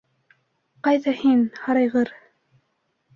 Ҡайҙа һин, һарайғыр?!